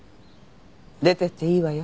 出ていっていいわよ。